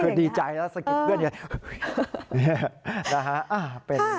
คือดีใจแล้วสะกิดเพื่อนกัน